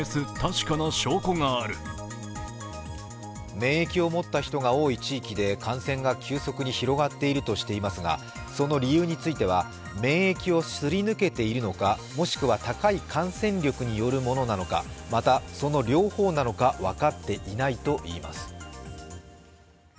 免疫を持った人が多い地域で感染が急速に広がっているとしていますがその理由については免疫をすり抜けているのかもしくは高い感染力によるものなのか、また、その両方なのか分かっていないといいます。